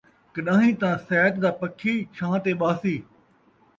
کݙان٘ہیں تاں سیت دا پکھی چھاں تے ٻہسی